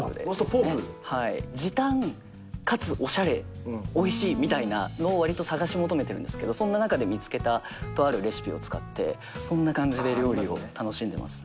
時短かつおしゃれおいしいみたいなのをわりと探し求めてるんですけどそんな中で見つけたとあるレシピを使ってそんな感じで料理を楽しんでます。